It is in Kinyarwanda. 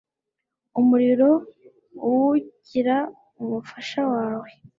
umuriro uwugira umufasha wawe